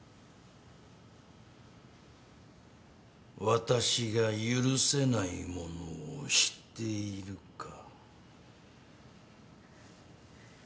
私が許せないものを知っているか？